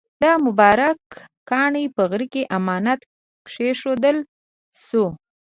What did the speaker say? دا مبارک کاڼی په غره کې امانت کېښودل شو.